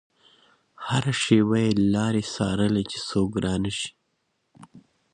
هره شېبه يې لارې څارلې چې څوک رانشي.